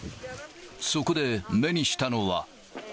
そこで目にしたのは。